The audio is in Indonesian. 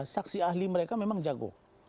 saksi ahli mereka memang jago